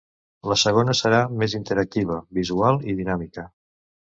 La segona serà més interactiva, visual i dinàmica.